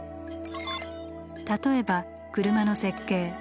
例えば車の設計。